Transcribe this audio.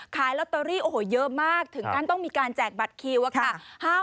ขายลอตเตอรี่โอ้โหเยอะมากถึงขั้นต้องมีการแจกบัตรคิวอะค่ะ